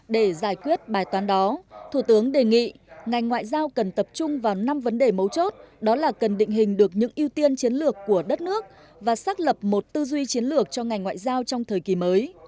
để giải quyết bài toán đó thủ tướng đề nghị ngành ngoại giao cần tập trung vào năm vấn đề mấu chốt đó là cần định hình được những ưu tiên chiến lược của đất nước và xác lập một tư duy chiến lược cho ngành ngoại giao trong thời kỳ mới